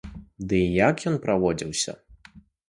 Дый як ён праводзіўся?